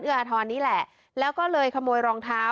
อาธรณ์นี่แหละแล้วก็เลยขโมยรองเท้า